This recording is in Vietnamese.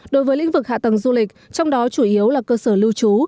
đối với lĩnh vực hạ tầng du lịch trong đó chủ yếu là cơ sở lưu trú